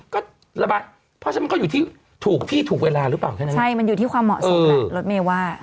ก็ระบายเพราะฉะนั้นมันก็อยู่ที่ถูกที่ถูกเวลาหรือเปล่าแค่นั้นใช่มันอยู่ที่ความเหมาะสมแหละรถเมย์ว่า